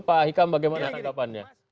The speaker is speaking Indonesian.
pak hikam bagaimana tanggapannya